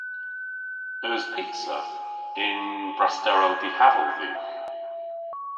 Eus pizza yn brasterow dihaval dhywgh?